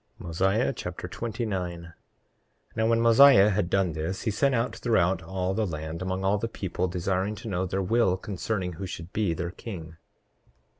Mosiah Chapter 29 29:1 Now when Mosiah had done this he sent out throughout all the land, among all the people, desiring to know their will concerning who should be their king.